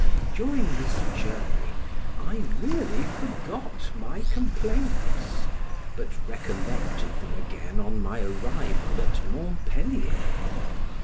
During this journey, I really forgot my complaints, but recollected them again on my arrival at Montpelier.